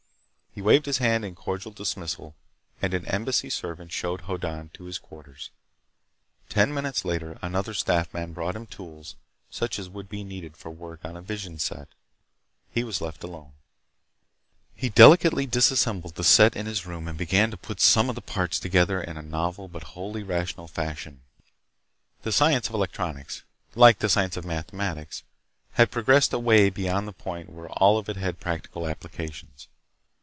He waved his hand in cordial dismissal and an Embassy servant showed Hoddan to his quarters. Ten minutes later another staff man brought him tools such as would be needed for work on a vision set. He was left alone. He delicately disassembled the set in his room and began to put some of the parts together in a novel but wholly rational fashion. The science of electronics, like the science of mathematics, had progressed away beyond the point where all of it had practical applications.